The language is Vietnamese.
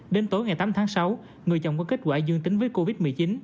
đến tối ngày tám tháng sáu người chồng có kết quả dương tính với covid một mươi chín